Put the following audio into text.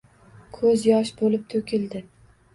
Ko’z yosh bo’lib to’kildi.